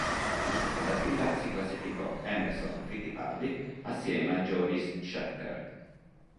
In seconda fila si classificò Emerson Fittipaldi, assieme a Jody Scheckter.